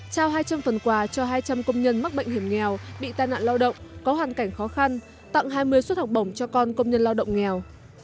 trao hai trăm linh phần quà cho hai trăm linh công nhân mắc bệnh hiểm nghèo bị tai nạn lao động có hoàn cảnh khó khăn tặng hai mươi suất học bổng cho con công nhân lao động nghèo